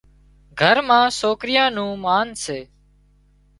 گھر مان سوڪريان نُون مانَ سي